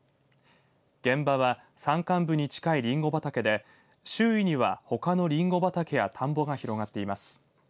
現場は山間部に近いりんご畑で周囲にはほかのりんご畑や田んぼが広がっています。